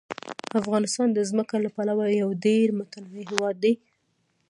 افغانستان د ځمکه له پلوه یو ډېر متنوع هېواد دی.